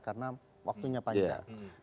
karena waktunya panjang